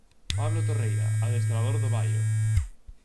Pablo Torreira, adestrador do Baio.